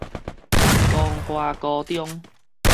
光華高中